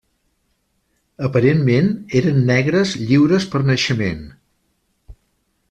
Aparentment eren negres lliures per naixement.